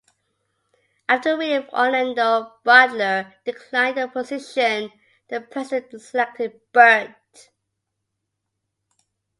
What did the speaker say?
After William Orlando Butler declined the position, the President selected Burt.